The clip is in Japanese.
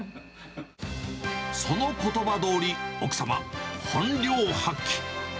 そのことばどおり、奥様、本領発揮。